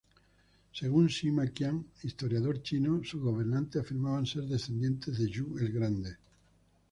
Según Sima Qian historiador chino, sus gobernantes afirmaban ser descendientes de Yu el Grande.